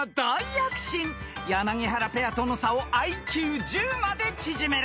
［柳原ペアとの差をＩＱ１０まで縮める］